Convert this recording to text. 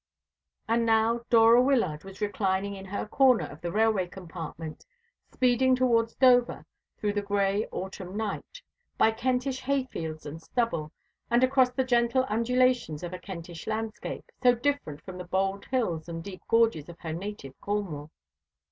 And now Dora Wyllard was reclining in her corner of the railway compartment, speeding towards Dover through the gray autumn night, by Kentish hayfields and stubble, and across the gentle undulations of a Kentish landscape, so different from the bold hills and deep gorges of her native Cornwall.